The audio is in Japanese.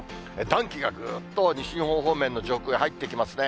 暖気がぐっと西日本方面の上空へ入ってきますね。